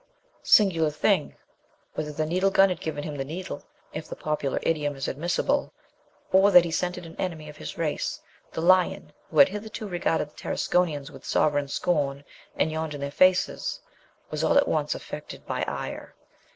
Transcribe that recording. Singular thing! whether the needle gun had given him "the needle," if the popular idiom is admissible, or that he scented an enemy of his race, the lion, who had hitherto regarded the Tarasconians with sovereign scorn, and yawned in their faces, was all at once affected by ire.